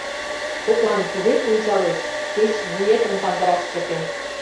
— Коклан туге пунчалеш, кеч вуетым кандыраш чыке.